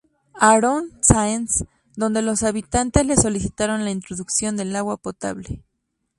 Aarón Sáenz donde los habitantes le solicitaron la introducción del agua potable.